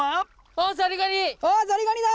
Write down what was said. あっザリガニだ！